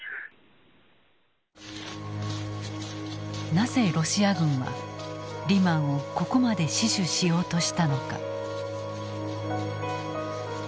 なぜロシア軍はリマンをここまで死守しようとしたのか。